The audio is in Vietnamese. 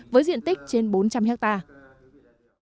với diện tích trên bốn trăm linh hectare